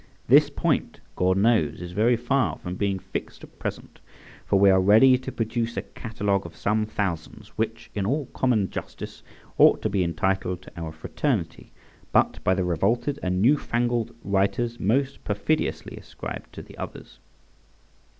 This point, God knows, is very far from being fixed at present, for we are ready to produce a catalogue of some thousands which in all common justice ought to be entitled to our fraternity, but by the revolted and newfangled writers most perfidiously ascribed to the others.